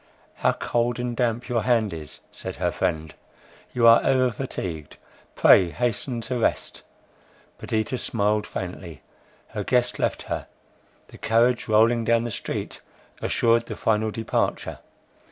"How cold and damp your hand is," said her friend; "you are over fatigued, pray hasten to rest." Perdita smiled faintly—her guest left her; the carriage rolling down the street assured the final departure.